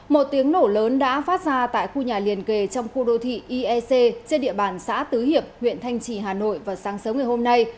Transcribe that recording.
một tiếng nổ lớn đã phát ra tại khu nhà liền kề trong khu đô thị iec trên địa bàn xã tứ hiệp huyện thanh trì hà nội vào sáng sớm ngày hôm nay